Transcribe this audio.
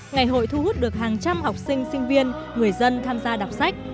ngày hội thu hút được hàng trăm học sinh sinh viên người dân tham gia đọc sách